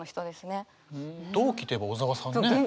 同期といえば小沢さんね。